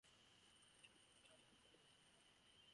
Scheck also alleged violations of Mass.